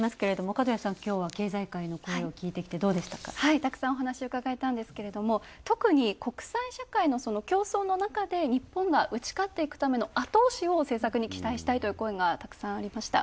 たくさんお話を伺えたんですけど特に国際社会の競争の中で日本が打ち勝っていくための後押しを政策に期待したいという声がたくさんありました。